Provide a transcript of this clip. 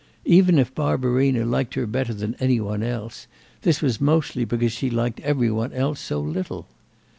Even if Barbarina liked her better than any one else this was mostly because she liked every one else so little.